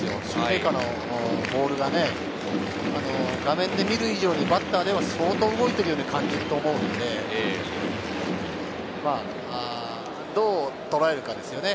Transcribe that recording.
シューメーカーのボールが画面で見る以上にバッターでは相当動いているように感じると思うので、どうとらえるかですよね。